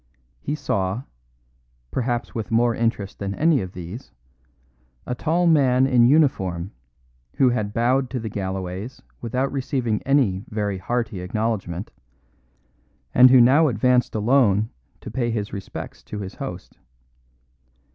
He saw perhaps with more interest than any of these a tall man in uniform, who had bowed to the Galloways without receiving any very hearty acknowledgment, and who now advanced alone to pay his respects to his host.